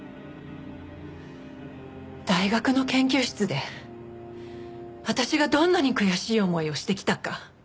大学の研究室で私がどんなに悔しい思いをしてきたか。